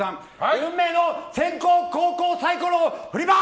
運命の先攻・後攻サイコロ振ります！